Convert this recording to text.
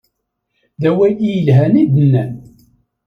D awal i yelhan i d-nnan.